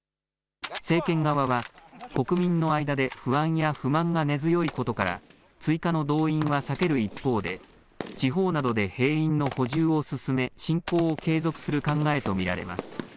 政権側は国民の間で不安や不満が根強いことから追加の動員は避ける一方で地方などで兵員の補充を進め、侵攻を継続する考えと見られます。